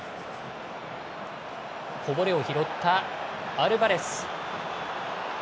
こぼれを拾ったアルバレス。